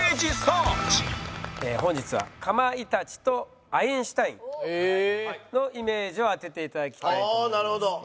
本日はかまいたちとアインシュタインのイメージを当てて頂きたいと思いますけども。